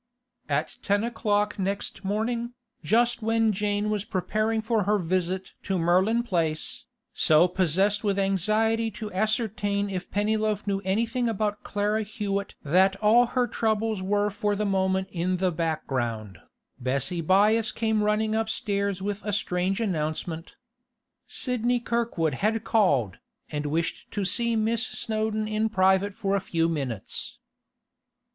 At ten o'clock next morning, just when Jane was preparing for her visit to Merlin Place, so possessed with anxiety to ascertain if Pennyloaf knew anything about Clara Hewett that all her troubles were for the moment in the back ground, Bessie Byass came running upstairs with a strange announcement. Sidney Kirkwood had called, and wished to see Miss Snowdon in private for a few minutes.